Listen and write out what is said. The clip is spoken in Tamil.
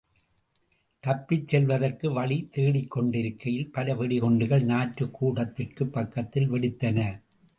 தப்பிச் செல்வதற்கு வழி தேடிக்கொண்டிருக்கையில் பல வெடி குண்டுகள் நாற்றுக் கூடத்திற்குப் பக்கத்தில் வெடித்தன.